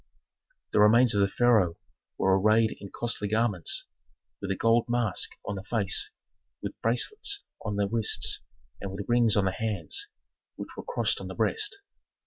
The remains of the pharaoh were arrayed in costly garments, with a gold mask on the face, with bracelets on the wrists, and with rings on the hands, which were crossed on the breast.